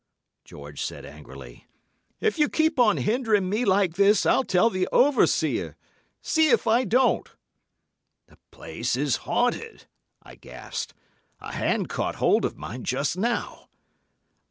George said angrily. 'If you keep on hindering me like this, I'll tell the overseer. See if I don't.' "'The place is haunted,' I gasped. 'A hand caught hold of mine just now.